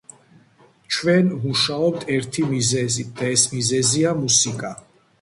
ჩვენ ვმუშაობთ ერთი მიზეზით და ეს მიზეზია მუსიკა.